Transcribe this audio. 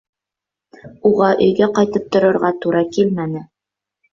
Уға өйгә ҡайтып торорға тура килмәне.